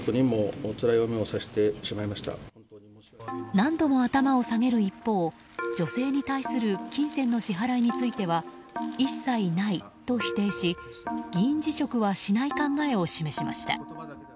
何度も頭を下げる一方女性に対する金銭の支払いについては一切ないと否定し議員辞職はしない考えを示しました。